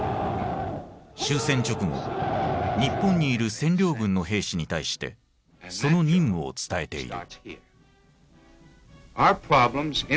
終戦直後日本にいる占領軍の兵士に対してその任務を伝えている。